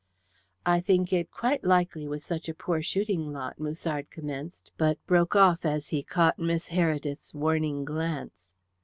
"I think it quite likely with such a poor shooting lot " Musard commenced, but broke off as he caught Miss Heredith's warning glance.